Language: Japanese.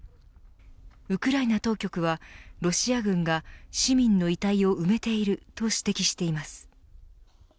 ウクライナ当局はロシア軍が市民の遺体を埋めていると指摘しています。